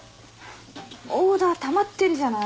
オーダーたまってるじゃない。